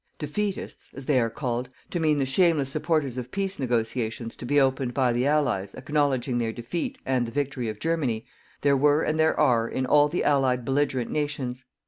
"Defeatists," as they are called, to mean the shameless supporters of PEACE negotiations to be opened by the Allies acknowledging their defeat and the victory of Germany, there were, and there are, in all the "Allied" belligerent nations.